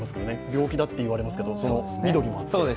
病気だと言われますけど、緑もあって。